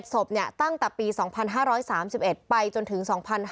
ศพตั้งแต่ปี๒๕๓๑ไปจนถึง๒๕๕๙